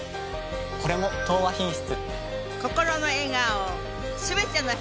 これも「東和品質」。